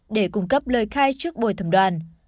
để cung cấp lời khai trước bồi thẩm đoàn